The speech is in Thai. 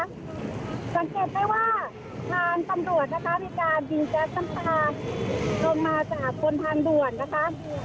สังเกตได้ว่าทางตำรวจนะคะมีการยิงแก๊สน้ำตาลงมาจากบนทางด่วนนะคะ